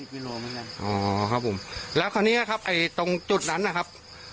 อ๋อครับผมแล้วคราวเนี้ยครับไอ้ตรงจุดนั้นนะครับ